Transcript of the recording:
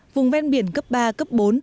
vùng ven biển cấp ba cấp bốn